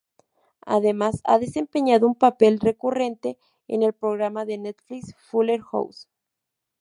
Además, ha desempeñado un papel recurrente en el programa de Netflix "Fuller House".